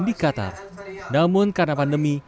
di qatar namun karena pandemi